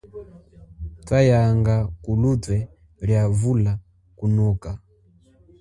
Twanyanga kulutwe lia vula kunoka.